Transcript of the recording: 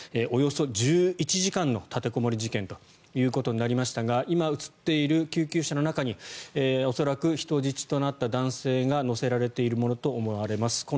およそ１１時間の立てこもり事件ということになりましたが今映っている救急車の中に恐らく人質となった男性が乗せられているものと思われます。